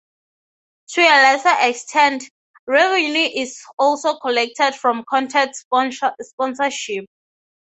To a lesser extent, revenue is also collected from content sponsorship.